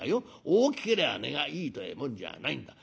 大きけりゃ値がいいてえもんじゃないんだ。